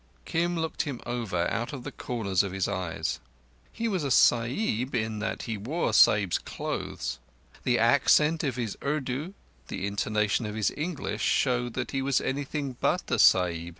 Kim looked him over out of the corners of his eyes. He was a Sahib in that he wore Sahib's clothes; the accent of his Urdu, the intonation of his English, showed that he was anything but a Sahib.